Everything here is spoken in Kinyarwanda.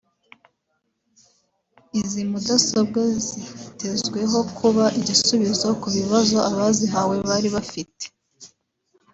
Izi mudasobwa zitezweho kuba igisubizo ku bibazo abazihawe bari bafite